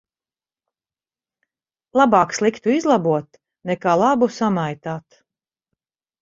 Labāk sliktu izlabot nekā labu samaitāt.